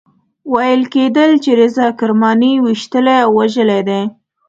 ویل کېدل چې رضا کرماني ویشتلی او وژلی دی.